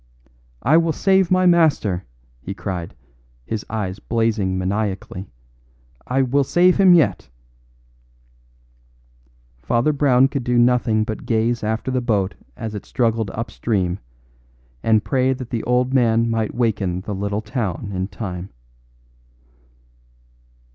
"I will save my master," he cried, his eyes blazing maniacally. "I will save him yet!" Father Brown could do nothing but gaze after the boat as it struggled up stream and pray that the old man might waken the little town in time.